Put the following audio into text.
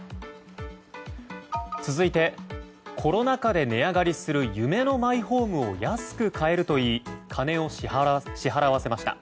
続いて、コロナ禍で値上がりする夢のマイホームを安く買えると言い金を支払わせました。